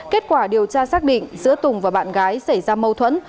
kết quả điều tra xác định giữa tùng và bạn gái xảy ra mâu thuẫn